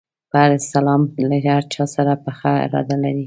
په هر سلام له هر چا سره پخه اراده لري.